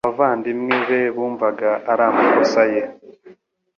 Abavandimwe be bumvaga ari amakosa ye,